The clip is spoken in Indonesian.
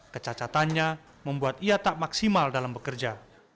kecacatannya membuat ia tak maksimal dalam bekerja